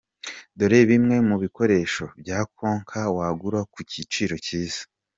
Dore bimwe mu bikoresho bya Konka wagura ku iciro cyiza.